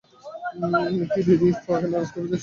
কী দিদি, তাকে নারাজ করে দিয়েছো।